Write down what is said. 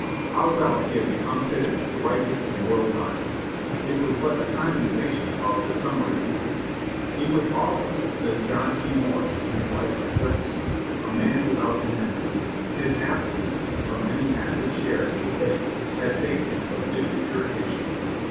How well he had become fitted to write this immortal document! It was but a condensation of the "Summary View." He was also, says John T. Morse, in his life of Jefferson, "a man without an enemy. His abstinence from any active share in debate had saved him from giving irritation."